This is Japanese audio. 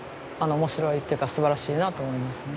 面白いっていうかすばらしいなと思いますね。